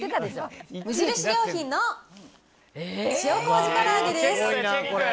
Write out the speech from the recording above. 無印良品の塩こうじからあげです。